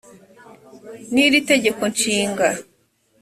n iri tegeko nshinga